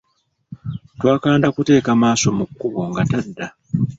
Twakanda kuteeka maaso mu kkubo nga tadda.